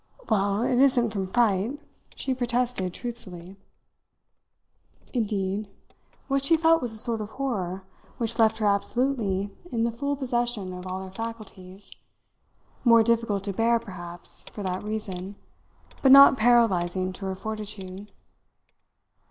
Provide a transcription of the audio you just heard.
"Well, it isn't from fright," she protested truthfully. Indeed, what she felt was a sort of horror which left her absolutely in the full possession of all her faculties; more difficult to bear, perhaps, for that reason, but not paralysing to her fortitude.